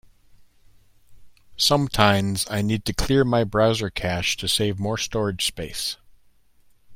Sometines, I need to clear my browser cache to save more storage space.